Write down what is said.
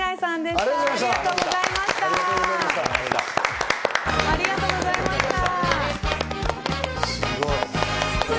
すごい！ありがとうございました。